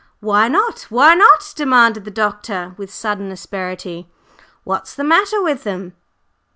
"Why not? Why not?" demanded the doctor with sudden asperity. "What's the matter with them?"